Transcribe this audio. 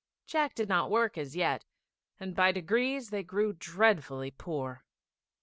Jack did no work as yet, and by degrees they grew dreadfully poor.